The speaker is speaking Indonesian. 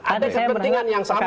ada kepentingan yang sama